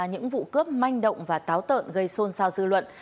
những vụ cướp manh động và táo tợn gây xôn xao dư luận